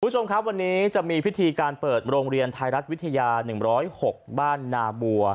คุณผู้ชมครับวันนี้จะมีพิธีการเปิดโรงเรียนไทยรัฐวิทยา๑๐๖บ้านนาบัว